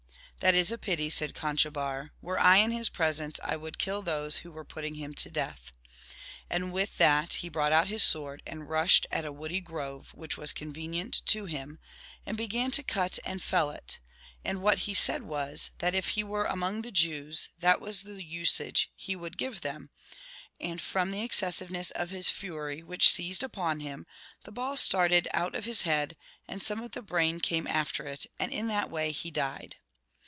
"That is a pity," said Conchobar; "were I in his presence I would kill those who were put ting him to death." And with that he brought out his sword, and rushed at a woody grove which was convenient to him, and began to cut and fell it ; and what he said was, that if he were among the Jews that was the usage he would give them, and from the excessiveness of his fury which seized upon him, the ball started out of his head, and some of the brain came after it, and in that way he died.